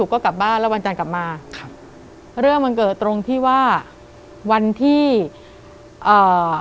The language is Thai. ก็กลับบ้านแล้ววันจันทร์กลับมาครับเรื่องมันเกิดตรงที่ว่าวันที่เอ่อ